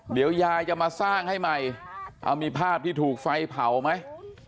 เดี๋ยวยายจะมาสร้างให้ใหม่เอามีภาพที่ถูกไฟเผาไหม